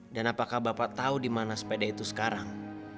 dan apakah bapak tahu di mana sepeda itu sekarang